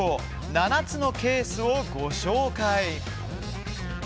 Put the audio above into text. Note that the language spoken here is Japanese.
７つのケースをご紹介。